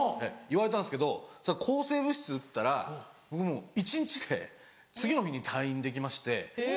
言われたんですけど抗生物質打ったら僕もう一日で次の日に退院できまして。